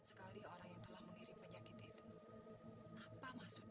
hai sekali orang yang telah mengirim penyakit itu apa maksudnya